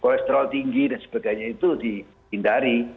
kolesterol tinggi dan sebagainya itu dihindari